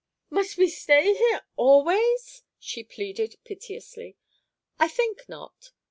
"Must we stay here always?" she pleaded piteously. "I think not.